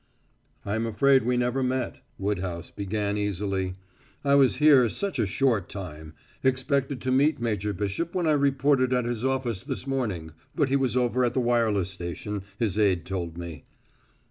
"I'm afraid we never met," Woodhouse began easily. "I was here such a short time. Expected to meet Major Bishop when I reported at his office this morning, but he was over at the wireless station, his aid told me."